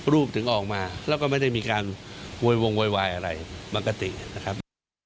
ถึงออกมาแล้วก็ไม่ได้มีการโวยวงโวยวายอะไรปกตินะครับ